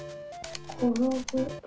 「ころぶ」。